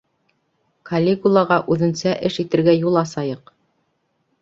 Калигулаға үҙенсә эш итергә юл асайыҡ.